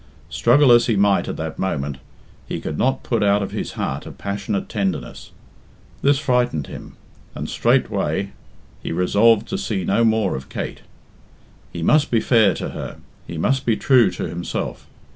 Struggle as he might at that moment, he could not put out of his heart a passionate tenderness. This frightened him, and straightway he resolved to see no more of Kate. He must be fair to her, he must be true to himself.